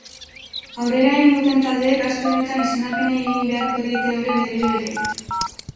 Aurrera egin duten taldeek aste honetan izendapenei egin beharko diete aurre berriro ere.